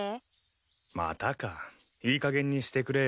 またかいいかげんにしてくれよ。